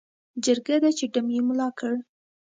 جرګه ده چې ډم یې ملا کړ.